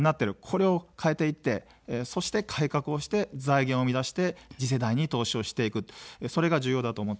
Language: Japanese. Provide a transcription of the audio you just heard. これを変えていって、そして改革をして、財源を生み出して次世代に投資をしていく、それが重要だと思っています。